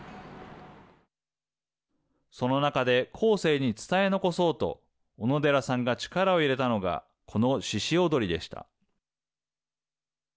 その中で後世に伝え残そうと小野寺さんが力を入れたのがこの鹿子躍でした。